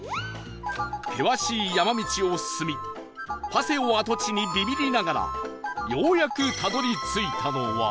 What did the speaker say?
険しい山道を進みパセオ跡地にビビりながらようやくたどり着いたのは